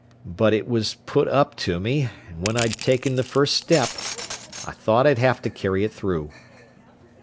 "But it was put up to me, and when I'd taken the first step, I thought I'd have to carry it through."